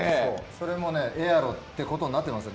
それもエアロってことになってますよ。